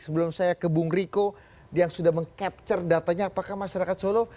sebelum saya ke bung riko yang sudah meng capture datanya apakah masyarakat solo